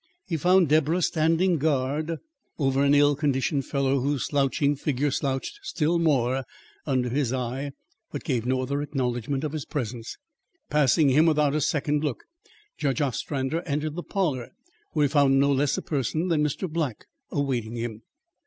He found Deborah standing guard over an ill conditioned fellow whose slouching figure slouched still more under his eye, but gave no other acknowledgment of his presence. Passing him without a second look, Judge Ostrander entered the parlour where he found no less a person than Mr. Black awaiting him.